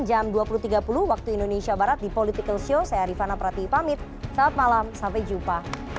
jam dua puluh tiga puluh waktu indonesia barat di political show saya rifana prati pamit selamat malam sampai jumpa